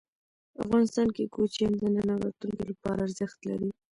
افغانستان کې کوچیان د نن او راتلونکي لپاره ارزښت لري.